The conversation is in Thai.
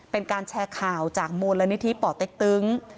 เป็นการแชร์ข่าวจากมูลนิธิป่อเต็กตึง